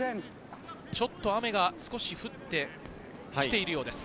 ちょっと雨が少し降ってきているようです。